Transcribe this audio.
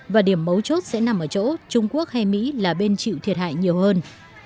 và điểm mấu chốt sẽ nằm ở chỗ trung quốc hay mỹ là bên chịu thiệt hại nhiều hơn